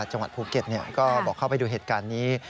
จังหวัดภูเก็ตก็บอกเข้าไปดูเหตุการณ์นี้